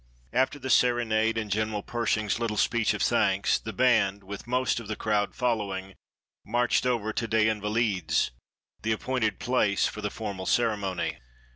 After the serenade and General Pershing's little speech of thanks the band, with most of the crowd following, marched over to des Invalides, the appointed place for the formal ceremony.